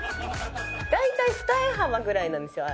大体二重幅ぐらいなんですよ。